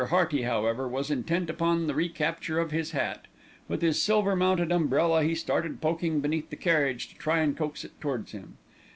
Hearty, however, was intent upon the recapture of his hat. With his silver mounted umbrella, he started poking beneath the carriage to try and coax it towards him.